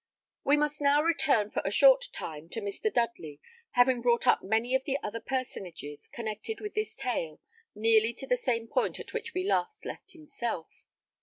We must now return for a short time to Mr. Dudley, having brought up many of the other personages connected with this tale nearly to the same point at which we last left himself.